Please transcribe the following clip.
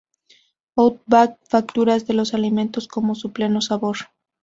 Outback facturas de los alimentos como su "pleno sabor".